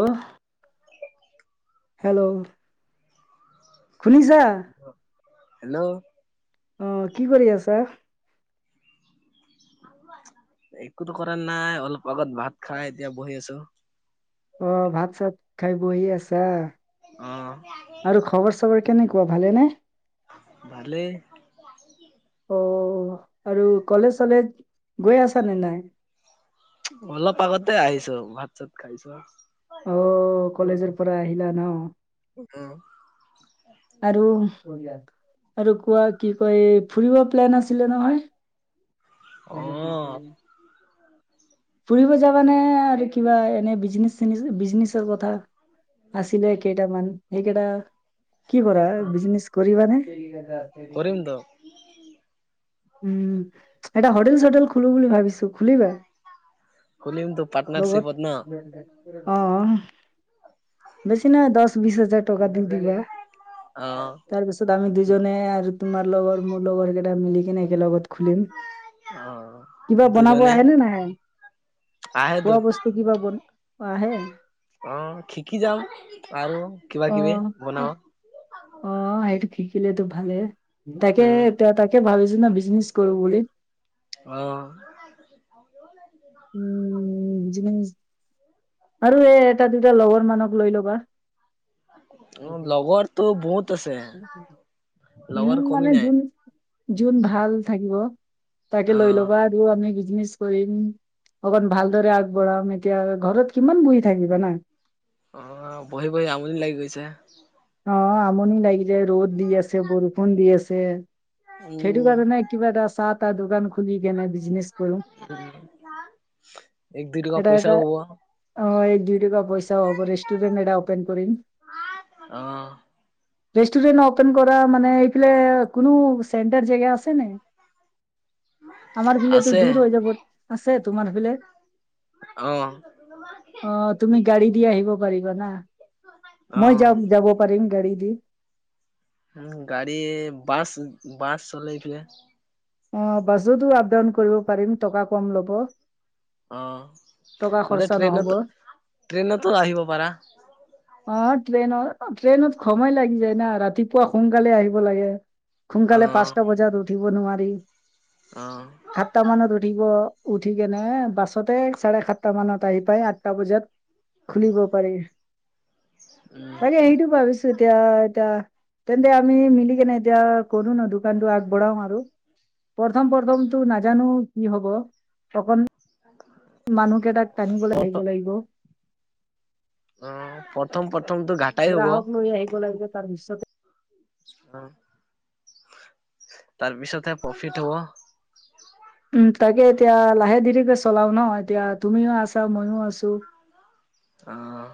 আহ। [unintelligible] হেল্ল'। শুনিছা? হেল্ল'। আহ কি কৰি আছা? একোতো কৰা নাই অলপ আগত ভাত খাই এতিয়া বহি আছো। অ ভাত চাত খাই বহি আছা। আহ। আৰু খবৰ চবৰ কেনেকুৱা ভালেনে? ভালেই। অ আৰু কলেজ চলেজ গৈ আছা নে নাই। অলপ প আগতে আহিছো ভাত চাত খাইছো। অ কলেজৰ পৰা আহিলা ন। উম আৰু আৰু কোৱা কি কয় ফুৰিব প্লেন আছিলে নহয়। অ হন দিছে ফুৰিব যাবানে আৰু কিবা এনে বিজনেচ চ বিজনেচৰ কথা। আছিলে কেইটামান এইকেইটা কি কৰা বিজনেচ কৰিবানে। স [inaudible] কৰিমতো উম এটা হোটেল চোটেল খুলো বুলি ভাবিছো খুলিবা। খুলিমতো বত পাৰ্টনাৰশ্বিপত ন [unintelligible] অহ বেছি নহয় দশ বিশ হাজাৰ টকা দিমিনি। অ তাৰ পিছত আমি দুজনে আৰু তোমাৰ লগৰ মোৰ লগৰ কেইটা মিলি কিনে। কে লগত খুলিম। অ কিবা বনাব দুজনে আহেনে নাহে আহে তো খোৱা বস্তু কিবা বন। আহে। অ শিকি যাম। আৰু কিবা কিবি অহ - অহ বনাব -অহ সেইটো কি? খুলিলি তু ভালে উম তাকে- তাকে ভাবিছো না বিজনেছ কৰো বুলি। অহ উম [unintelligible] আৰু এই এটা -দুটা লগৰ মানক লৈ ল'বা। অহ, লগৰটো বহুত আছে লগৰ উম, কমি মানে নাই যোন- যোন ভাল থাকিব। তাকে অ লৈ ল'বা আৰু আমি বিজনেচ কৰিম অকণ ভালদৰে আগবঢ়াম এতিয়া ঘৰত কিমান বহি থাকিবা না অহ, বহি -বহি আমনি লাগি গৈছে। অহ, আমনি লাগি যায় ৰ'দ দি আছে, বৰষুণ দি আছে সেইটো উম কাৰণে কিবা এটা চাহ -তাহ দোকান খুলি কেনে বিজনেছ কৰো। এক দুই টকা এটা এটা পইচাও হ'ব। অ এক দুই টকা পইচাও হ'ব ৰেষ্টৰেট এটা অপেন কৰিম। অহ ৰেষ্টুৰেণ্ট অপেন কৰা মানে এইফালে কোনো চেণ্টাৰ জেগা আছে নাই? আমাৰ বিলেতো আছে দূৰ হৈ যাব, আছে তোমাৰ সিফেলে? অ [inaudible] অহ তুমি গাড়ী দি আহিব পাৰিবা না? অ মই যাম যাব পাৰিম গাড়ী দি। উম, গাড়ী বাছ -বাছ চলে এতিয়া। অহ, বাছতো আপ- ডাউন কৰিব পাৰিম টকা কম ল'ব। অহ, টকা নে খৰচা নহ'ব ট্ৰেইনত -ট্ৰেইনতো আহিব পাৰা। অ ট্ৰেইনত- ট্ৰেইনত সময় লাগি যায় না ৰাতিপুৱা সোনকালে আহিব লাগে অ সোনকালে পাঁচটা বজাত উঠিব নোৱাৰি অ সাততা মানত উঠিব উঠি কেনে বাছতে চাৰে সাতটা মানত আহি পাই আঠটা বজাত খুলিব পাৰি উম তাকে হেইটো ভাবিছো এতিয়া- এতিয়া তেন্তে আমি মিলি কেনে এতিয়া কৰো ন' দোকানটো আগবঢ়াও আৰু প্ৰথম- প্ৰথমটো নাজানো কি হব তখন মানুহ কেইটাক টানিবলৈ আহিব লাগিব অহ, প্ৰথম -প্ৰথমটো ঘাটাই হ'ব। গ্ৰাহক লৈ আহিব লাগিব তাৰ পিছতে অহ, তাৰপিছতহে প্ৰফিট হব। উম, তাকে এতিয়া লাহে দেৰিকে চলাও ন' এতিয়া তুমিও আছা, মইও আছো। [inaudible] আহ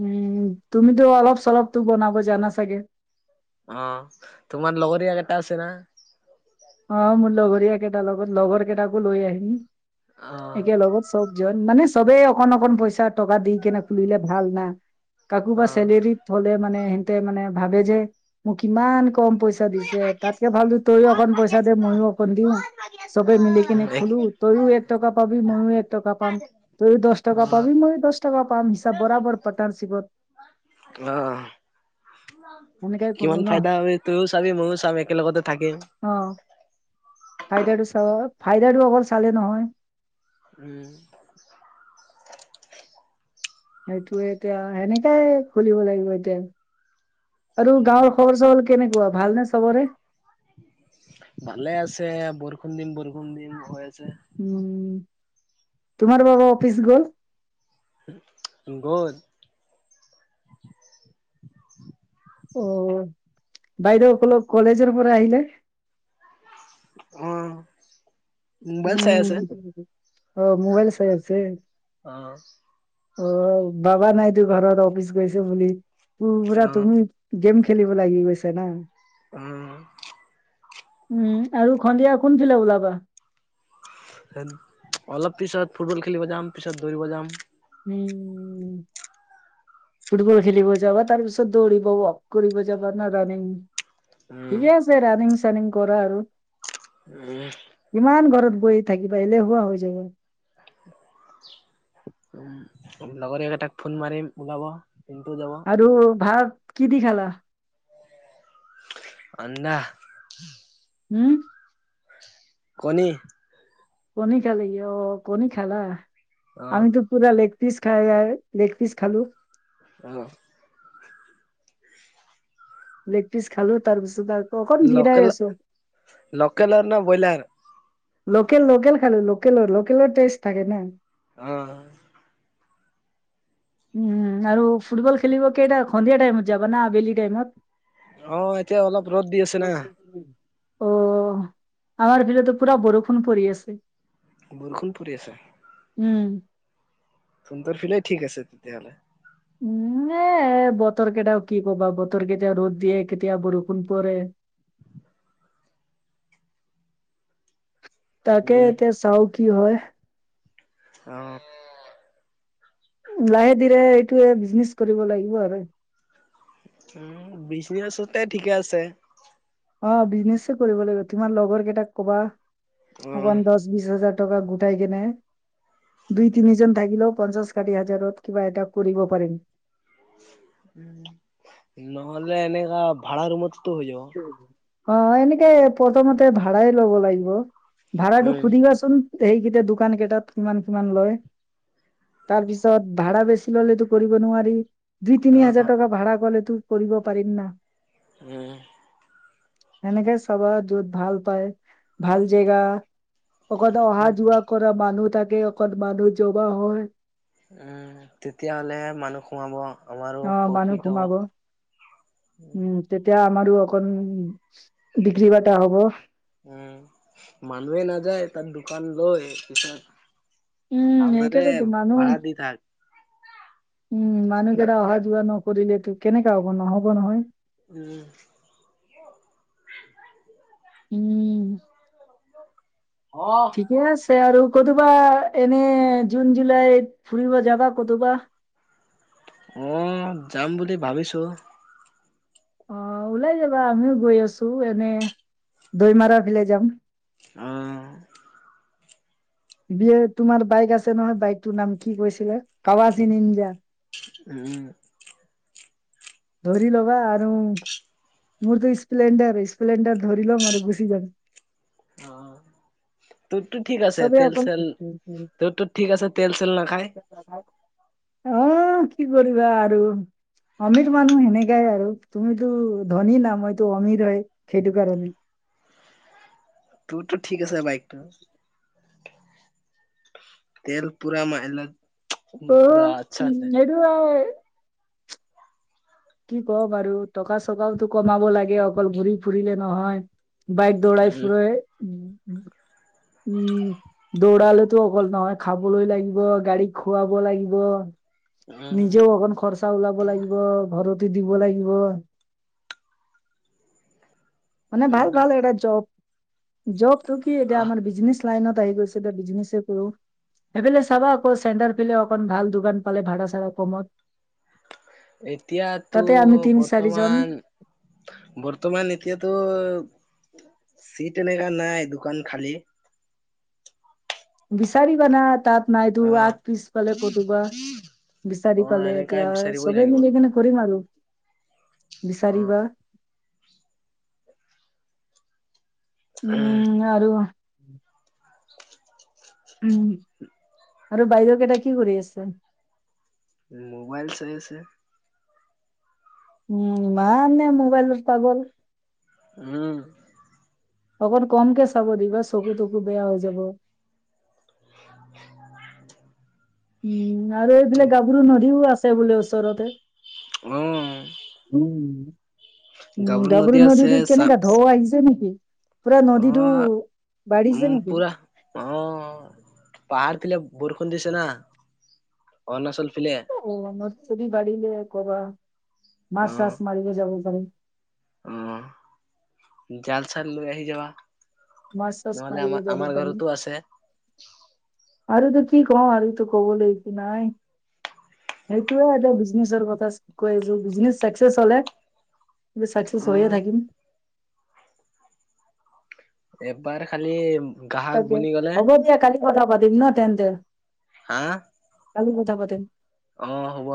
উম, তুমিতো অলপ -চলপ তো বনাব জানা চাগে? অহ, তোমাৰ লগৰীয়া কেইটা আছে না? অহ, মোৰ লগৰীয়া কেইটাৰ লগত লগৰ কেইটাকো লৈ আহিম অ একে লগত চব যত মানে চবেই অকন -অকণ পইচা টকা দি কেনে খুলিলে ভাল না? কাকো বা অ চেলেৰিত হলে মানে হিনটে মানে ভাবে যে মোক কিমান কম পইচা দিছ তাতকে ভালটো তইও অকণ পইচা দে মইও অকণ দিও চবে মিলি কিনে এক খোলো তইও এক টকা পাবি ময়ো এক টকা পাম। তইও দচ টকা অ পাবি মইও দচ টকা পাম হিচাপ বৰাবৰ পাটনাৰ চিপট। আহ সেনেকাই কৰো কিমান ন ফাইদা হয় তইও চাবি ময়ো চাম একেলগতে থাকিম। ফাইদাৰটো চ ফাইদাৰটো অকল চালে নহয় উম সেইটোয়ে এতিয়া সেনেকাই খুলিব লাগিব এতিয়া। আৰু গাঁৱৰ খবৰ- চবৰ কেনেকুৱা ভালনে চবৰে? ভালে আছে বৰষুণ দিম -বৰষুণ দিম হৈ আছে। উম তোমাৰ বাবা অফিচ গ'ল? গ'ল অ বাইদেউ অল কলেজৰ পৰা আহিলে? আহ উম অ মোবাইল চাই আছে? অ অ বাবা নাই'তো ঘৰত অফিচ গৈছে বুলি অ পুৰা তুমি গেম খেলিব লাগি গৈছে না? উম উম আৰু খন্দিয়া কোনফিলে ওলাবা? অলপ পিছত ফুটবল খেলিব যাম, পিছত দৌৰিব যাম, উম ফুটবল খেলিব যাবা তাৰ পিছত দৌৰিব ৱক কৰিব যাবা না ৰানিং? উম ঠিকে আছে ৰানিং চনিং কৰা আৰু। উম বৈ থাকিবা এলে হোৱা হৈ যা য়গ লগৰকেইটাক ফোন মাৰিম ওলাব। পিন্টু যাব আৰু ভাত কি দি খালা। আন্দা। হম কণী। কণী খালি অ কণী খালা অ আমিতো পুৰা লে পিচ খাইয়া লেক পিছ খালোঁ। আহ লেগ পিচ খালোঁ তাৰপিছত আৰু। লোকেল লোকেলৰ ন ব্ৰইলাৰ লোকেল লোকেল খালে লোকেলৰ লোকেলৰ টেষ্ট থাকে ন। আহ উম আৰু ফুটবল খেলিব কেইটা সন্দিয়া টাইমত যাবা না আবেলি টাইমত। অ এতিয়া অলপ ৰ'দ দি আছে না। অ আমাৰ ভিৰতো পুৰা বৰষুণ পৰি আছে। বৰষুণ পৰি আছে। উম! তহঁতৰ ফালেই ঠিক আছে তেতিয়াহলে। উম বতৰ কেইটাও কি কবা বতৰ কেইতিয়াও ৰ'দ দিয়ে কেতিয়া বৰষুণ পৰে। [inaudible] তাকে উম এতিয়া চাও কি হয়। আহ। লাহে ধীৰে এইটোৱে বিকনেচ কৰিব লাগিব আৰু। উম বিজনেছতে ঠিকে আছে। অ বিজনেচ কৰিব লাগিব তোমাৰ লগৰ কেইটাক ক'বা উম অকমান দহ, বিশ হাজাৰ। টকা গোটাই কেনে দুই তিনিজন থাকিলেও পঞ্চাশ কাঠি হাজাৰত কিবা এটা কৰিব পাৰিম। নহ'লে এনেকা ভাড়া ৰোমতো হৈ যাব। অ এনেকে প্ৰথমতে ভাড়াই ল'ব লাগিব ভা়টো উম সুধিবাচোন। সেইকেইটা দোকান কেইটাত কিমান কিমান লয়। তাৰপিছত ভাড়া বেছি ললেতো কৰিব নোৱাৰি। দুই অ তিনি হাজাৰ টকা ভাড়া কৰিলে তই কৰিব পাৰিম ন। উম! হেনেকে চাবা য'ত ভাল পায় ভাল জেগা। অকলটো অহা উম যোৱা কৰা মানুহ থাকে অক মানুহ জমা হয়। উম! তেতিয়াহলে মানুহ সোমাব আমাৰো অ মানুহ প্ৰফিট হ'ব সোমাব উম! তেতিয়া। আমাৰো অক বিক্ৰী বাটা হ'ব। উম মানুহে নাযায় তাৰ দোকান লৈ। উম আমাৰে সেইকেইটা তো মানুহ ভাড়া দি থাক উম! মানুহকেইতা অহা যোৱা নকৰিলে কেনেকা হ'ব ন হ'ব নহয়। উম! উম! অ ঠিকে আছে আৰু। কথোবা এনে জুন জুলাই ফুৰিব যাবা কথোবা। আহ যাম বুলি ভাবিছো। অ ওলাই যাবা আমিও গৈ আছো এনে দৈমাৰা ফালে যাম। আহ বিয়েৰ তোমাৰ বাইক আছে নহয়, বাইকটোৰ নাম কি কৈছিলে কাৱাচ ইন ইণ্ডিয়া। উম'। ধৰি ল'বা আৰু মোৰতো স্পেলণ্ডাৰ, স্পেলণ্ডাৰ ধৰি ল'ম আৰু গুচি যাম। অ'। তোৰতো ঠিক আছে, চবে অকল তেল-চেল তোৰ তোৰ ঠিক আছে তেল-চেল নাখায়। অ' কি কৰিবা আৰু অমিৰ মানুহ সেনেকাই আৰু তুমিতো ধনী নাইতো অমিৰ হয় সেইটো কাৰণে [inaudible] তোৰতো ঠিক আছে বাইকটো। তেলপুৰা ম এল অ' উম [unintelligible] কি কম আৰু টকা-চকাওতো কমাব লাগে, অকল ঘূৰি ফুৰিলে নহয়। বাইক দৌৰাই উম, ফুৰে, বা উম, দৌৰালেতো অকল নহয়, খাবলৈ লাগিব, গাড়ীক খুৱাব লাগিব। উম, নিজেও অকন খৰচা ওলাব লাগিব ঘৰত দিব লাগিব। মানে ভাল উম, ভাল এটা জব জবতটো কি এতিয়া আহ আমাৰ বিজনেছ লাইনত আহি গৈছে, এতিয়া বিজনেছে কৰো। সেইফালে চাবা আকৌ চেণ্ডাৰ পিললে অকণ ভাল দোকান পালে, ভাড়া-চাড়া কমত। এতিয়াতো তাতে আমি তিনি চাৰিজন বৰ্তমান, বৰ্তমান এতিয়াতো চীট এনেকা নাই দোকান খালী বিচাৰিবা না তাত নাইতো অ', আগ-পিছফালে কতুবা বিচাৰি অ', পালে এনেকাই এতিয়া বিচাৰিবই চবে লাগিব মিলি কেনে কৰিম আৰু অ', বিচাৰিবা। উম আৰু [inaudible] উম আৰু বাইৰে কেইটা কি কৰি আছে। মোবাইল চাই আছে। উম, ইমান নে মোবাইলৰ পাগল? উম। অকণ কমকে চাব দিবা, চকু-তকু বেয়া হৈ যাব। [unintelligible] উম আৰু এইবিলাক গাভৰু নদীও আছে বোলে ওচৰতে অ'। উম, গাভৰু আছে নদীতো চা কেনেকা ঢৌ আহিছে নেকি? পুৰা নদীতটো অ', উম, বাঢ়িছে নেকি? পুৰা ফেলে বৰষুণ দিছে না অৰুণাচল ফালে অ' নদী-চদী বাঢ়িলে কবা অ', মাছ-চাছ মাৰিব যাব পাৰি। অ' জাল-চাল লৈ আহি যাবা। মাছ-চাছ নহ'লে মাৰিব আমাৰ যাব আমাৰ পাৰিম ঘৰতো আছে। আৰু কি কও আৰু ক'বলৈটো একো নাই। সেইটোয়ে এতিয়া বিজনেচৰ কথা শিকি আহিছো বিজনেচ চাকচেছ হ'লে ত' চাকচেছ হৈয়ে উম, থাকিম। এবাৰ খালি গ্ৰাহক তাকে বনি গ'লে হ'ব দিয়া, কালি কথা পাতিম ন তেন্তে। হা। কালি কথা পাতিম। অ' হ'ব।